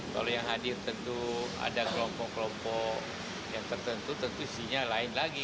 kalau yang hadir tentu ada kelompok kelompok yang tertentu tentu isinya lain lagi